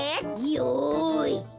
よい。